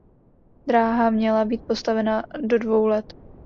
Dráha měla být postavena do dvou let.